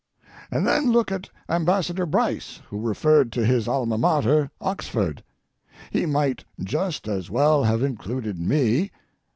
And then look at Ambassador Bryce, who referred to his alma mater, Oxford. He might just as well have included me.